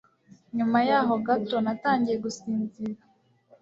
Nyuma yaho gato natangiye gusinzira